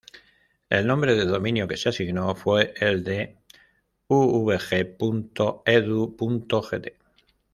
El nombre de dominio que se asignó fue el de uvg.edu.gt.